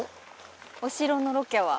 お城のロケは。